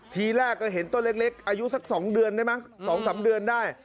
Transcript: ทีแรกก็เห็นต้นเล็กอายุสัก๒เดือนได้มั้ง๒๓เดือนได้